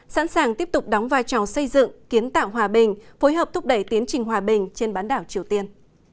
sẵn sàng tiếp tục đóng vai trò xây dựng kiến tạo hòa bình phối hợp thúc đẩy tiến trình hòa bình trên bán đảo triều tiên